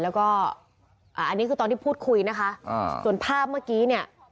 แล้วก็อันนี้คือตอนที่พูดคุยนะคะส่วนภาพเมื่อกี้เนี่ย